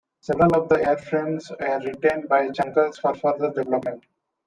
Several of the airframes were retained by Junkers for further development.